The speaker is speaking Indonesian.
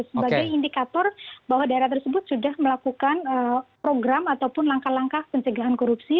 sebagai indikator bahwa daerah tersebut sudah melakukan program ataupun langkah langkah pencegahan korupsi